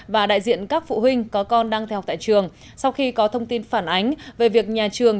và đại diện các phụ huynh có con đang theo học tại trường sau khi có thông tin phản ánh về việc nhà trường